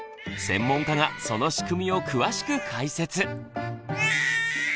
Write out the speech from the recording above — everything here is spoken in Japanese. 専門家がその仕組みを詳しく解説。